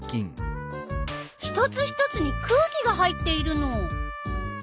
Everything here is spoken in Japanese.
一つ一つに空気が入っているの。